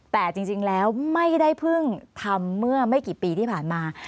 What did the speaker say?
แต่จริงแล้วไม่ได้เพิ่งทำเมื่อไม่กี่ปีที่ผ่านมา